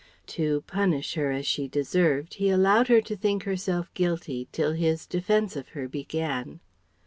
To punish her as she deserved he allowed her to think herself guilty till his defence of her began.